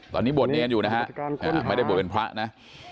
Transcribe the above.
ตอนนี้บวชเนรอยู่นะฮะไม่ได้บวชเป็นพระนะ